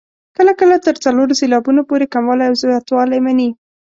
کله کله تر څلورو سېلابونو پورې کموالی او زیاتوالی مني.